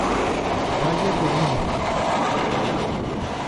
Bayern de Múnich